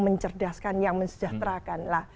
mencerdaskan yang mensejahterakan lah